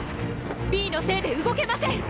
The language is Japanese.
ビーのせいで動けません！